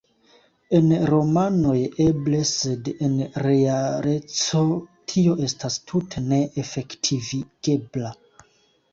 En romanoj, eble; sed en realeco, tio estas tute ne efektivigebla.